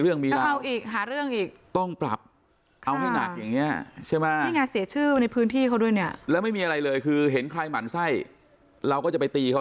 แล้วก็รวมกลุ่มอีกกินเหล้าเมายาเยอะ